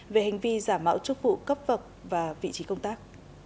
về hành vi giả mạo chức vụ cấp vật và vị trí công tác